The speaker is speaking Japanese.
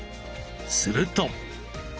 すると。